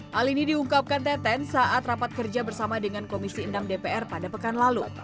hal ini diungkapkan teten saat rapat kerja bersama dengan komisi enam dpr pada pekan lalu